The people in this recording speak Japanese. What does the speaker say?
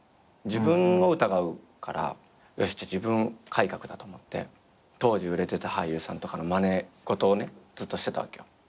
自分を疑うからよし自分改革だと思って当時売れてた俳優さんとかのまね事をねずっとしてたわけよ。